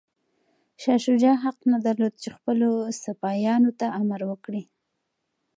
شاه شجاع حق نه درلود چي خپلو سپایانو ته امر وکړي.